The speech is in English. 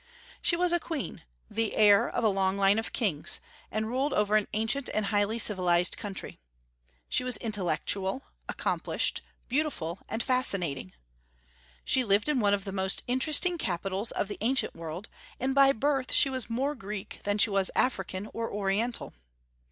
She was a queen, the heir of a long line of kings, and ruled over an ancient and highly civilized country. She was intellectual, accomplished, beautiful, and fascinating. She lived in one of the most interesting capitals of the ancient world, and by birth she was more Greek than she was African or Oriental.